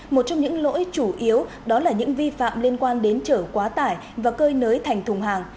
một trong những lỗi chủ yếu đó là những vi phạm liên quan đến chở quá tải và cơi nới thành thùng hàng